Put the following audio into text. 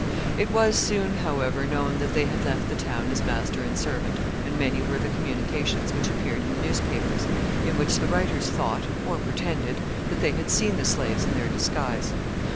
It was soon, however, known that they had left the town as master and servant; and many were the communications which appeared in the newspapers, in which the writers thought, or pretended, that they had seen the slaves in their disguise.